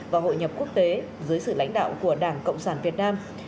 và hội nhập quốc tế dưới sự lãnh đạo của đảng cộng sản việt nam